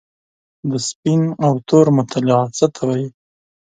د سپین او تور مغالطه څه ته وايي؟